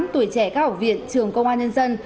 tuổi trẻ cao ở viện trường công an nhân dân